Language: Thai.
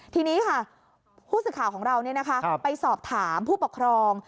ทีนี้ค่ะผู้สื่อข่าวของเราไปสอบถามผู้ปกครอง